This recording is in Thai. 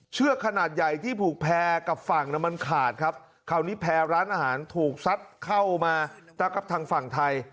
เชือกขนาดใหญ่ที่ผูกแพรกับฝั่งนั้นมันขาดครับคราวนี้แพร่ร้านอาหารถูกซัดเข้ามาทางฝั่งไทย